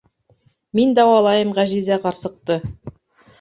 — Мин дауалайым Ғәжизә ҡарсыҡты.